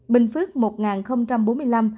bình phước một bốn mươi năm ca